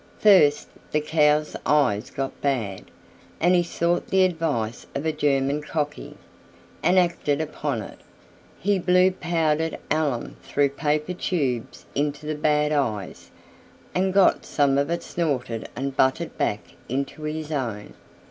First, the cows' eyes got bad, and he sought the advice of a German cocky, and acted upon it; he blew powdered alum through paper tubes into the bad eyes, and got some of it snorted and butted back into his own.